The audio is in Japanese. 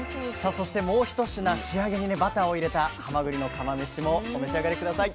そしてもう一品仕上げにバターを入れたはまぐりの釜めしもお召し上がり下さい。